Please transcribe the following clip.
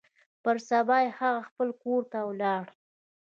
پر سبا يې هغه خپل کور ته ولاړ.